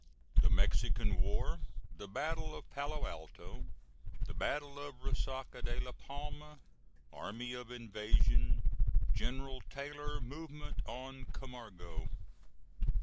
THE MEXICAN WAR THE BATTLE OF PALO ALTO THE BATTLE OF RESACA DE LA PALMA ARMY OF INVASION GENERAL TAYLOR MOVEMENT ON CAMARGO.